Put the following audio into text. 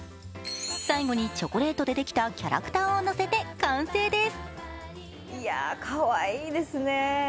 最後にチョコレートでできたキャラクターをのせて完成です。